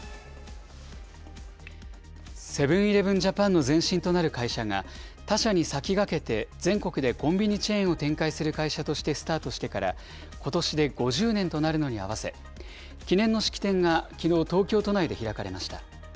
セブンーイレブン・ジャパンの前身となる会社が、他社に先駆けて全国でコンビニチェーンを展開する会社としてスタートしてから、ことしで５０年となるのに合わせ、記念の式典がきのう、東京都内で開かれました。